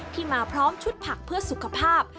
มาพร้อมชุดผักเพื่อสุขภาพ